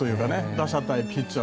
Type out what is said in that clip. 打者対ピッチャー